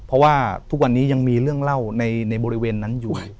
เพราะว่าทุกวันนี้ยังมีเรื่องเล่าในบริเวณนั้นอยู่